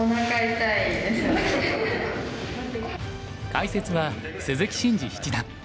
解説は鈴木伸二七段。